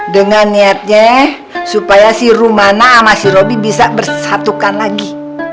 dengan niatnya supaya si rumana sama si roby bisa bersatukan lagi